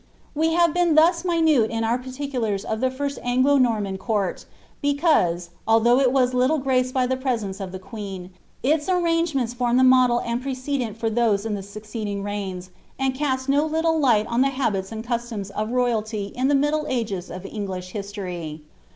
We have been thus minute in our particulars of the first Anglo Nor man court, because, although it was little graced by the presence of the <iaeen, its arrangements foraied the model and precedent for those in the succeeding reigns, and cast no little light on the habits and customs of royalty in the middle ages of English history.